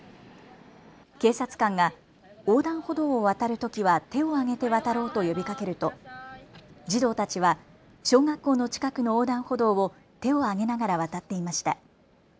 警察官が横断歩道を渡るときは手を上げて渡ろうと呼びかけると児童たちは小学校の近くの横断歩道を手を上げながら渡っていました。